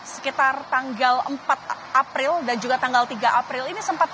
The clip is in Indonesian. sekitar tanggal empat april dan juga tanggal tiga april ini sempat